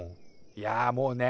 いやもうね。